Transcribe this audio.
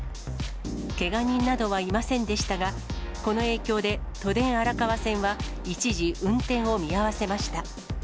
けが人などはいませんでしたが、この影響で都電荒川線は一時運転を見合わせました。